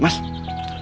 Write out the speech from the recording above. kau buah alaikum salam